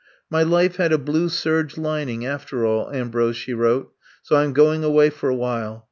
'^My life had a blue serge lining after all, Ambrose, ^^ she wrote, so I ^m going away for a while.